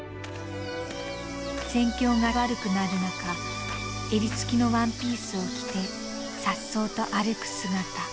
戦況が悪くなる中襟付きのワンピースを着てさっそうと歩く姿。